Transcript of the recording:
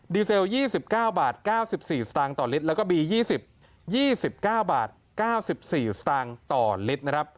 ดีเซลยี่สิบเก้าบาทเก้าสิบสี่สตางต่อลิตรแล้วก็บียี่สิบยี่สิบเก้าบาทเก้าสิบสี่สตางต่อลิตรนะครับ